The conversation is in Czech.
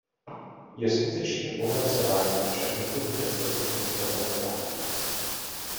Je skutečně po hlasování, avšak nikoliv bezprostředně po hlasování.